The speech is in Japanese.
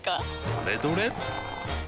どれどれっ！